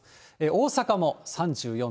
大阪も３４．７度。